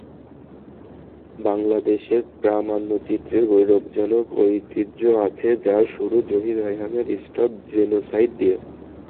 বাংলাদেশে প্রামাণ্যচিত্রের গৌরবজনক ঐতিহ্য আছে, যার শুরু জহির রায়হানের স্টপ জেনোসাইড দিয়ে।